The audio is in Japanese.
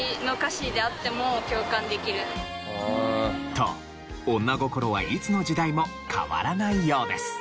と女心はいつの時代も変わらないようです。